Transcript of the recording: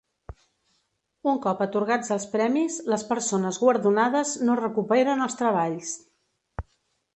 Un cop atorgats els Premis, les persones guardonades no recuperen els treballs.